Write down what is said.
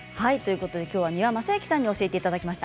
きょうは三輪正幸さんに教えていただきました。